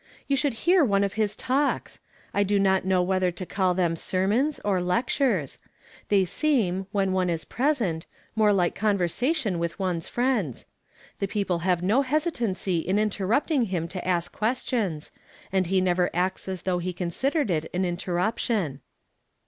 " You sliould hear one of his talks ; I do not know whether to call them sermons or lectures. Tliey seem, when one is present, more like conver sation with one's friends. The people have no hesitancy in interrupting him to ask questions ; and he never acts as though he considered it an interruption."